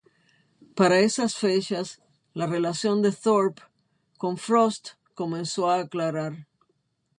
Para esas fechas, la relación de Thorpe con Frost comenzó a aclarar.